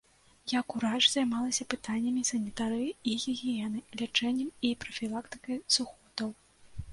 Як урач займалася пытаннямі санітарыі і гігіены, лячэннем і прафілактыкай сухотаў.